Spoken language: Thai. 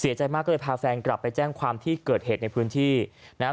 เสียใจมากเลยพาแฟนกลับไปแจ้งความที่เกิดเหตุในพื้นที่นะครับ